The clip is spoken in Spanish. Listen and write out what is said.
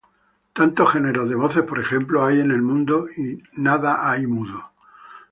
Tantos géneros de voces, por ejemplo, hay en el mundo, y nada hay mudo;